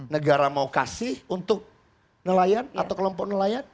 negara mau kasih untuk nelayan atau kelompok nelayan